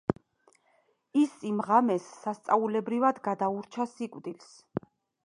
ის იმ ღამეს სასწაულებრივად გადაურჩა სიკვდილს.